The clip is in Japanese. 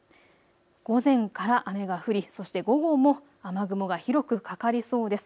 午前から雨が降り、そして午後も雨雲が広くかかりそうです。